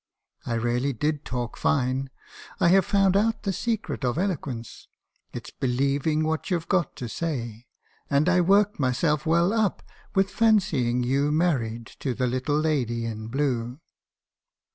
I really did talk fine ;— I have found out the secret of eloquence — it's be lieving what you've got to say; and I worked myself well up with fancying you married to the little lady in blue.'